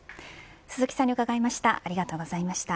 鈴木さんに伺いました。